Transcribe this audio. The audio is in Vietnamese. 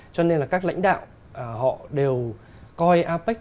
cho nên là các lãnh đạo họ đều coi apec